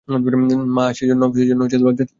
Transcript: মা, সেজন্য লজ্জা কী।